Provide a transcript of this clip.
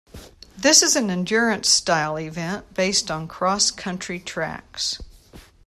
This is an endurance style event based on cross country tracks.